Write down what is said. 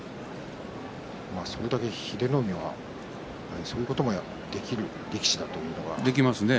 それだけ英乃海はそういうこともできる力士だということですね。